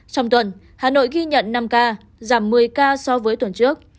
trong tuần hà nội ghi nhận năm ca giảm một mươi ca so với tuần trước